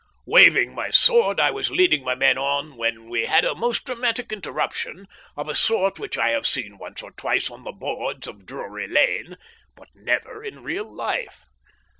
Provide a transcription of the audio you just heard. Waving my sword, I was leading my men on, when we had a most dramatic interruption of a sort which I have seen once or twice on the boards of Drury Lane, but never in real life.